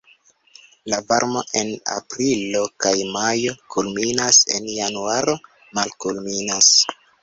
La varmo en aprilo kaj majo kulminas, en januaro malkulminas.